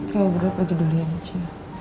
kalau berapa gedulian cu